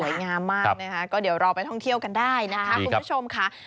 งามมากนะคะก็เดี๋ยวเราไปท่องเที่ยวกันได้นะคะคุณผู้ชมค่ะ